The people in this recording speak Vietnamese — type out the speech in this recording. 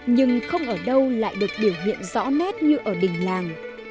nhưng không ở đâu lại được biểu hiện rõ nét như ở đình làng